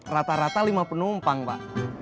rata rata lima penumpang pak